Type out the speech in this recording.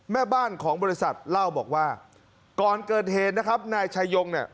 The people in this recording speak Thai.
แม่บ้านของบริษัทเล่าบอกว่าก่อนเกิดเหตุนะครับนายชายงเนี่ย